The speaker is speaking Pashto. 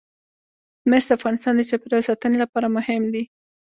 مس د افغانستان د چاپیریال ساتنې لپاره مهم دي.